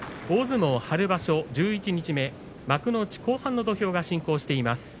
大相撲春場所、十一日目幕内後半の土俵が進行しています。